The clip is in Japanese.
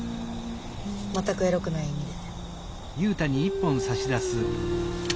全くエロくない意味で。